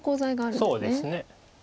そうですね。